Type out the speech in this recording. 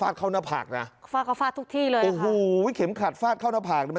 แต่ฟาดเข้าหน้าผากนะ